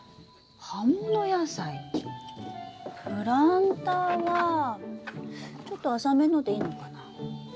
プランターはちょっと浅めのでいいのかな。